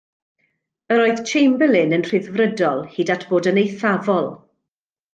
Yr oedd Chamberlain yn Rhyddfrydol hyd at fod yn eithafol.